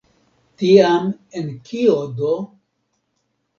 Tiam en kio do?